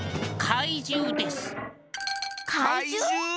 かいじゅう？